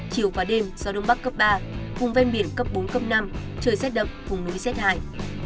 chiều và đêm gió đông bắc cấp ba vùng ven biển cấp bốn cấp năm trời xếp đậm vùng núi xếp hải